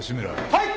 はい。